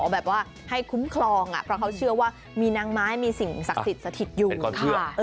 แบบว่าให้คุ้มครองเพราะเขาเชื่อว่ามีนางไม้มีสิ่งศักดิ์สิทธิ์สถิตอยู่ค่ะ